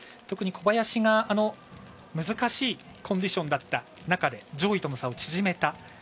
特に小林が難しいコンディションだった中で上位との差を縮めた。